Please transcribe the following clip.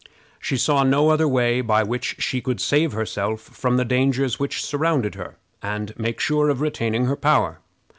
She saw no other way by which she could save herself from the dangers which surrounded her, and make sure of retaining her power.